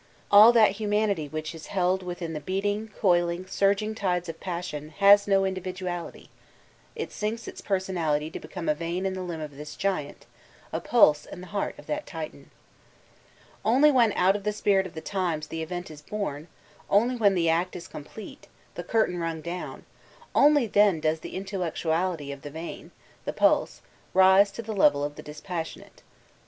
All that humanity which is held within the beating, coiling, surging tides of passion, has no individuality; it sinks its person ality to become a vein in the limb of this giant, a pulse in the heart of that Titan. Only when out of the spirit of the times the event b bom, only when the act b complete, the curtain rung down, only then does the intellectuality of the vein, the pulse, rise to the level of the dbpassionate.